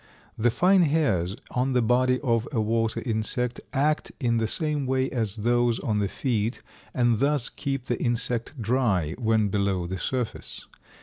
The fine hairs on the body of a water insect act in the same way as those on the feet, and thus keep the insect dry when below the surface.